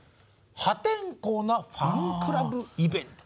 「破天荒なファンクラブイベント」。